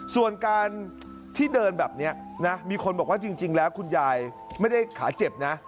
ส่วนการที่เดินแบบนี้นะมีคนบอกว่าจริงแล้วคุณยายไม่ได้ขาเจ็บนะ